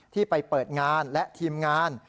ที่ไปเปิดงานและทีมงาน